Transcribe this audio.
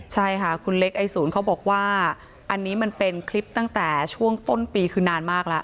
ใช่ค่ะคุณเล็กไอศูนย์เขาบอกว่าอันนี้มันเป็นคลิปตั้งแต่ช่วงต้นปีคือนานมากแล้ว